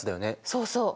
そうそう。